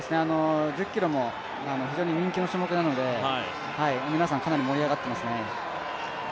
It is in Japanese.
１０ｋｍも非常に人気の種目なので皆さんかなり盛り上がってますね。